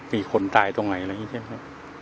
มีคนตายตรงไหนอะไรอย่างนี้ใช่ไหม